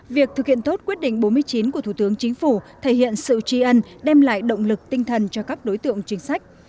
việc thực hiện tốt quyết định bốn mươi chín của thủ tướng chính phủ thể hiện sự tri ân đem lại động lực tinh thần cho các đối tượng chính sách